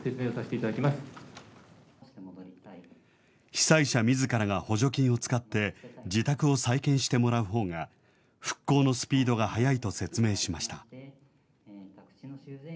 被災者みずからが補助金を使って、自宅を再建してもらうほうが、復興のスピードが早いと説明しました。